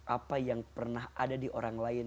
apa yang pernah ada di orang lain